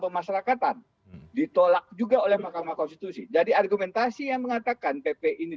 pemasarakatan ditolak juga oleh mahkamah konstitusi jadi argumentasi yang mengatakan pp ini